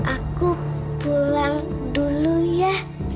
aku pulang dulu ya